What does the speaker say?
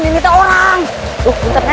ibu sedar saja seperti rada